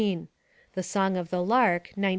The Song of the Lark, 1915.